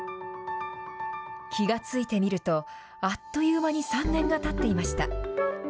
気が付いてみると、あっという間に３年がたっていました。